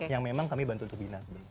yang memang kami bantu untuk dinas